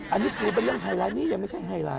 อันนี้คือเป็นเรื่องไฮไลท์นี่ยังไม่ใช่ไฮไลท